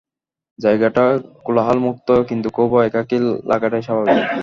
জায়গাটা কোলাহলমুক্ত, কিন্তু খুব একাকী লাগাটাই স্বাভাবিক।